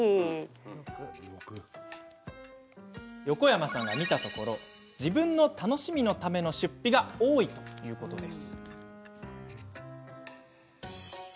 横山さんが見たところ自分の楽しみのための出費が多いとのこと。